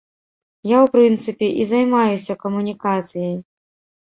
Я, у прынцыпе, і займаюся камунікацыяй.